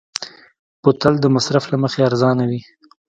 بوتل د مصرف له مخې ارزانه وي.